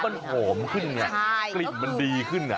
มันหอมขึ้นไงกลิ่นมันดีขึ้น